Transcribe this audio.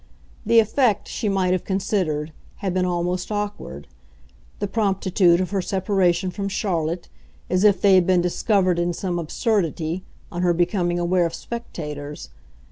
The effect, she might have considered, had been almost awkward the promptitude of her separation from Charlotte, as if they had been discovered in some absurdity, on her becoming aware of spectators.